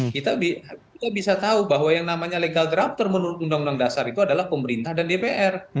kita bisa tahu bahwa yang namanya legal druptor menurut undang undang dasar itu adalah pemerintah dan dpr